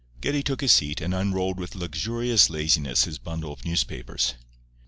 Geddie took his seat, and unrolled with luxurious laziness his bundle of newspapers.